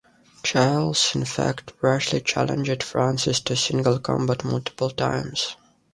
Charles, in fact, brashly challenged Francis to single combat multiple times.